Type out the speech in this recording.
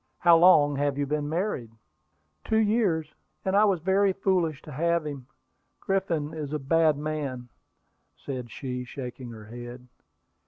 "How long have you been married?" "Two years; and I was very foolish to have him. Griffin is a bad man," said she, shaking her head.